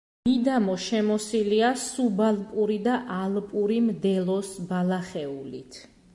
მიდამო შემოსილია სუბალპური და ალპური მდელოს ბალახეულით.